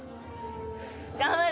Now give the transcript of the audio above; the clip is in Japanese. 頑張れ！